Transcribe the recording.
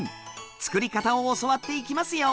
作り方を教わっていきますよ！